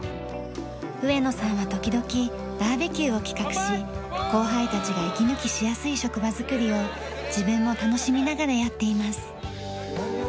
上野さんは時々バーベキューを企画し後輩たちが息抜きしやすい職場作りを自分も楽しみながらやっています。